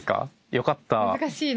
よかった。